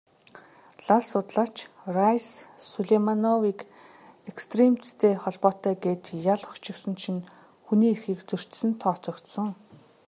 Лал судлаач Райс Сулеймановыг экстремизмтэй холбоотой гээд ял өгчихсөн чинь хүний эрхийг зөрчсөнд тооцогдсон.